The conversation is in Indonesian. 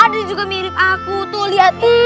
ada juga mirip aku tuh liatin